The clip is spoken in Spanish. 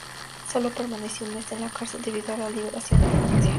Solo permaneció un mes en la cárcel debido a la liberación de Francia.